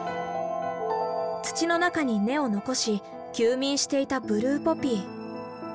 土の中に根を残し休眠していたブルーポピー。